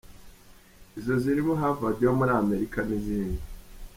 Izo zirimo Havard yo muri Amerika n’izindi.